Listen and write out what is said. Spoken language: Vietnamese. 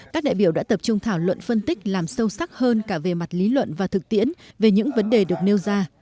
các đại biểu đã tập trung thảo luận phân tích làm sâu sắc hơn cả về mặt lý luận và thực tiễn về những vấn đề được nêu ra